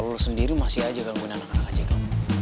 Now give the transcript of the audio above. kalau lo sendiri masih aja gangguin anak anak aja dong